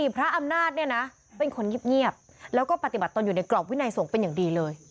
พระอำนาจเนี่ยนะเป็นคนเงียบแล้วก็ปฏิบัติตนอยู่ในกรอบวินัยสงฆ์เป็นอย่างดีเลย